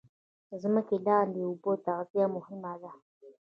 د ځمکې لاندې اوبو تغذیه مهمه ده